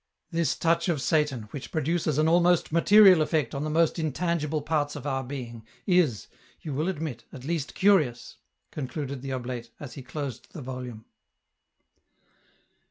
" This touch of Satan, which produces an almost material effect on the most intangible parts of our being, is, you will admit, at least curious," concluded the oblate, as he closed the volume.